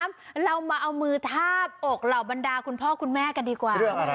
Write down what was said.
เรามาเอามือทาบอกเหล่าบรรดาคุณพ่อคุณแม่กันดีกว่า